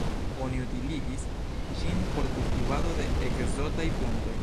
Oni utiligis ĝin por kultivado de ekzotaj plantoj.